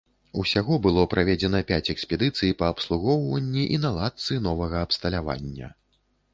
Усяго было праведзена пяць экспедыцый па абслугоўванні і наладцы новага абсталявання.